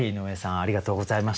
ありがとうございます。